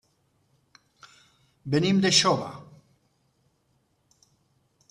Venim de Xóvar.